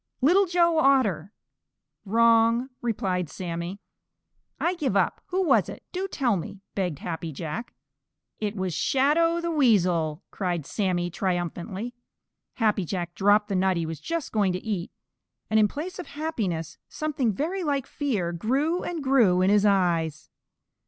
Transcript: "Little Joe Otter!" "Wrong," replied Sammy. "I give up. Who was it? Do tell me," begged Happy Jack. "It was Shadow the Weasel!" cried Sammy, triumphantly. Happy Jack dropped the nut he was just going to eat, and in place of happiness something very like fear grew and grew in his eyes.